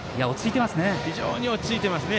非常に落ち着いていますね。